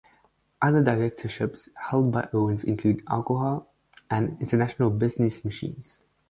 Other directorships held by Owens include Alcoa, and International Business Machines.